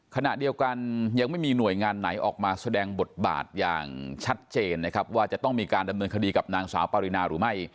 ขณะเดียวกันยังไม่มีหน่วยงานไหนออกมาแสดงบทบาทอย่างชัดเจนนะครับว่าจะต้องมีการดำเนินคดีกับนางสาวปรินาหรือไม่